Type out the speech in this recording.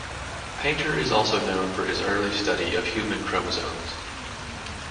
Painter is also known for his early study of human chromosomes.